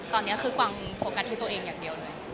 ตอนนี้คือกวางโฟกัสที่ตัวเองอย่างเดียวเลย